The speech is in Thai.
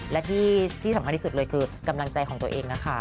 และที่สำคัญที่สุดเลยคือกำลังใจของตัวเองนะคะ